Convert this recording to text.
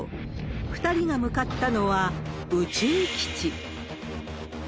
２人が向かったのは、宇宙基地。